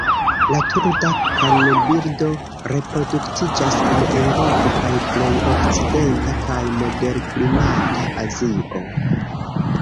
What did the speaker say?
La Turda kanbirdo reproduktiĝas en Eŭropo kaj plej okcidenta kaj moderklimata Azio.